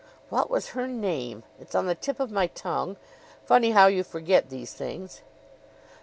"What was her name? It's on the tip of my tongue. Funny how you forget these things!